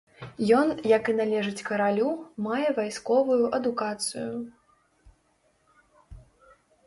Ён, як і належыць каралю, мае вайсковую адукацыю.